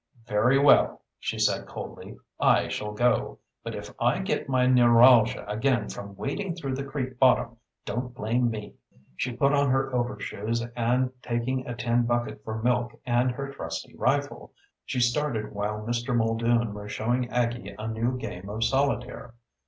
"Very well," she said coldly; "I shall go. But if I get my neuralgia again from wading through the creek bottom don't blame me!" She put on her overshoes and, taking a tin bucket for milk and her trusty rifle, she started while Mr. Muldoon was showing Aggie a new game of solitaire.